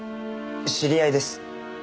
知り合いです。